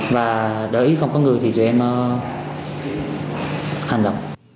và đợi ý không có người thì tụi em hành động